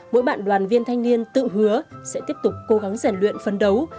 mỗi bạn đoàn viên thanh niên tự hứa sẽ tiếp tục cố gắng giản luyện phấn đấu